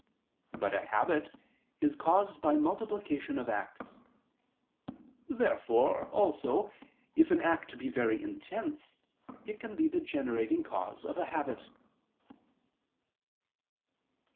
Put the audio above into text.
But a habit is caused by multiplication of acts. Therefore also if an act be very intense, it can be the generating cause of a habit.